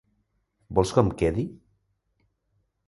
Vols que em quedi?